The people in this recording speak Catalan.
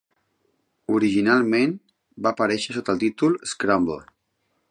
Originalment va aparèixer sota el títol "Scramble".